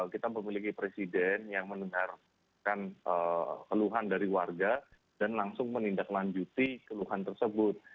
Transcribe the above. kita memiliki presiden yang mendengarkan keluhan dari warga dan langsung menindaklanjuti keluhan tersebut